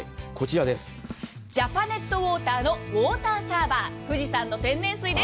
ジャパネットウォーターのウォーターサーバー富士山の天然水です。